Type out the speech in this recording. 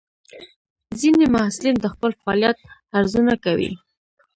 ځینې محصلین د خپل فعالیت ارزونه کوي.